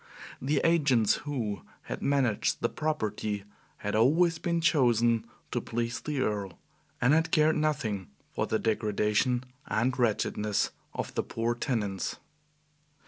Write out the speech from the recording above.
The agents who had managed the property had always been chosen to please the Earl, and had cared nothing for the degradation and wretchedness of the poor tenants.